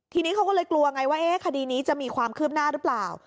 ทีนี้เขาก็เลยกลัวไงว่าคดีนี้จะมีความคืบหน้าหรือเปล่า